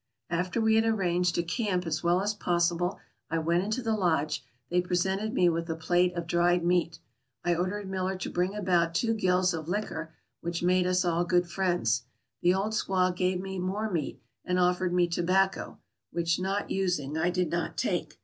After we had arranged a camp as well as possible I went into the lodge; they presented me with a plate of dried meat. I ordered Miller to bring about two gills of liquor, which made us all good friends. The old squaw gave me more meat, and offered me tobacco, which, not using, I did not take.